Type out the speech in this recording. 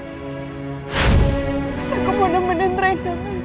mas aku mau nemenin rina